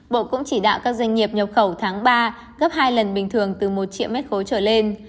bộ cũng chỉ đạo các doanh nghiệp nhập khẩu tháng ba gấp hai lần bình thường từ một triệu mét khối trở lên